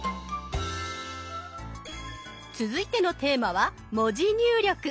続いてのテーマは「文字入力」。